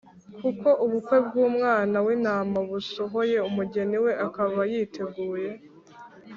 kuko ubukwe bw’Umwana w’Intama busohoye umugeni we akaba yiteguye,